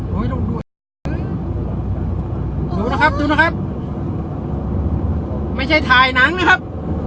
ไม่ต้องดูนะครับดูนะครับไม่ใช่ถ่ายหนังนะครับ